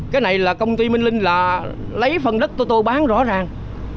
cái này là công ty minh linh là lấy phần đất của tôi bán rõ ràng